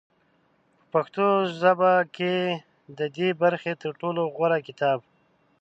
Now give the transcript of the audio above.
په پښتو ژبه کې د دې برخې تر ټولو غوره کتاب